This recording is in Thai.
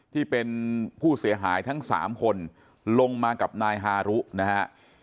ที่เป็นผู้เสียหายทั้ง๓คนลงมากับนายฮารุนะฮะ